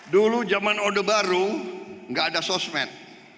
dulu zaman odeh baru gak ada sosmed